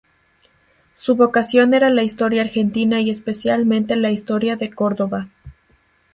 Su vocación era la historia argentina, y especialmente la "historia de Córdoba".